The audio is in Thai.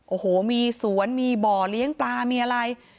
โอ้โหมีสวนมีบ่อเลี้ยงปลามีอะไร